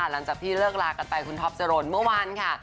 หลังจากที่เลิกลากันไปคุณท็อปจรนเมื่อวานค่ะ